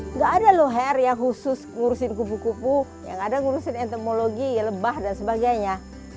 nggak ada loh hair yang khusus ngurusin kupu kupu yang ada ngurusin entemologi lebah dan sebagainya